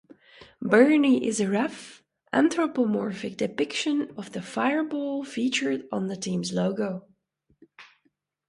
Burnie is a rough, anthropomorphic depiction of the fireball featured on the team's logo.